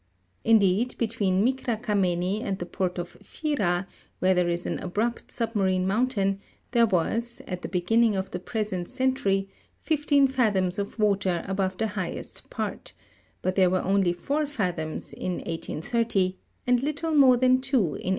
Indeed, between Micra Kameni and the port of Phira, where there is an abrupt submarine mountain, there was, at the be ginning of the present century, fifteen fathoms of water above the highest part ; but there were only four fathoms in 1830, and little more than two in 1834.